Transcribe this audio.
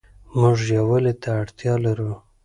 مونږ يووالي ته اړتيا لرو